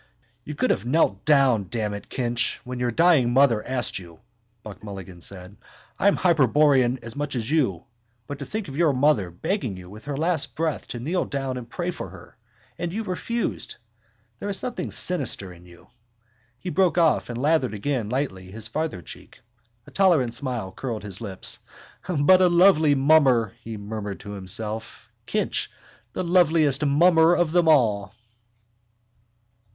—You could have knelt down, damn it, Kinch, when your dying mother asked you, Buck Mulligan said. I'm hyperborean as much as you. But to think of your mother begging you with her last breath to kneel down and pray for her. And you refused. There is something sinister in you.... He broke off and lathered again lightly his farther cheek. A tolerant smile curled his lips. —But a lovely mummer! he murmured to himself. Kinch, the loveliest mummer of them all!